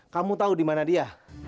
kamu tahu dimana dia